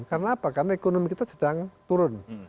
karena apa karena ekonomi kita sedang turun